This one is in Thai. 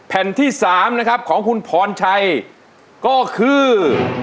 แผ่นที่๓นะครับของคุณพรชัยก็คือ